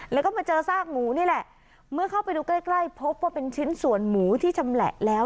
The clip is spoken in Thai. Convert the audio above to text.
แล้วก็มาเจอซากหมูนี่แหละเมื่อเข้าไปดูใกล้ใกล้พบว่าเป็นชิ้นส่วนหมูที่ชำแหละแล้ว